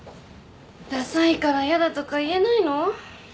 ださいからやだとか言えないの？